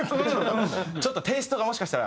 ちょっとテイストがもしかしたら。